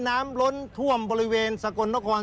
ล้นท่วมบริเวณสกลนคร